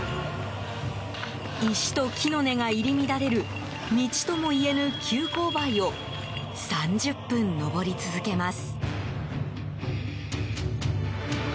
石と木の根が入り乱れる道ともいえぬ急勾配を３０分、登り続けます。